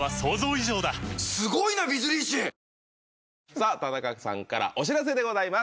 さぁ田中さんからお知らせでございます。